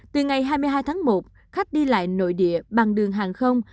từ ngày hai mươi hai tháng một khách đi lại nội địa bằng đường hàng không